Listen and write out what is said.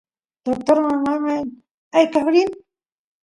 doctorman mamay aykaf rin